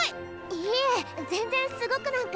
いえ全然すごくなんか。